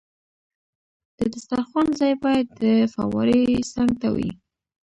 د دسترخوان ځای باید د فوارې څنګ ته وي.